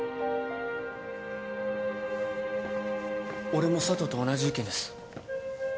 俺も佐都と同じ意見です。